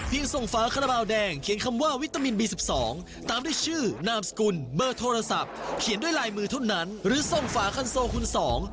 เพียงทรงฝาคาราบาลแดง